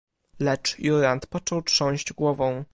"Lecz Jurand począł trząść głową."